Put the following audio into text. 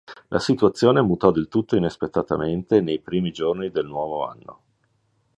La situazione mutò del tutto inaspettatamente nei primi giorni del nuovo anno.